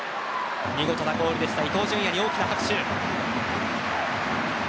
見事なゴールでした伊東純也に大きな拍手。